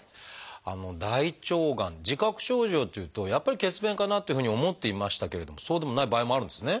大腸がん自覚症状っていうとやっぱり血便かなっていうふうに思っていましたけれどもそうでもない場合もあるんですね。